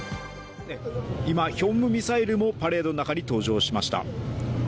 今、ヒョンムミサイルもパレードに登場しました。